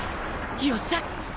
よっしゃ！